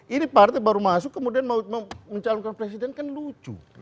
ini partai baru masuk kemudian mau mencalonkan presiden kan lucu